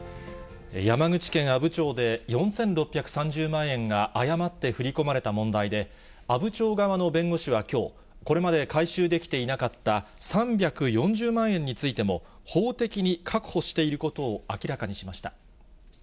山口県阿武町で、４６３０万円が誤って振り込まれた問題で、阿武町側の弁護士はきょう、これまで回収できていなかった３４０万円についても、法的に確保していることを明らかにしました。